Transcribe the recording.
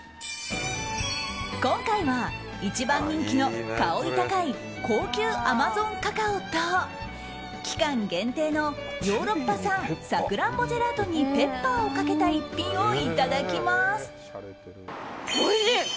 今回は一番人気の薫り高い高級アマゾンカカオと期間限定のヨーロッパ産サクランボジェラートにペッパーをかけた逸品をいただきます。